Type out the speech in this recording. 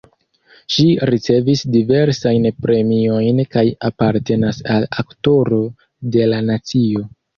Ŝi ricevis diversajn premiojn kaj apartenas al Aktoro de la nacio.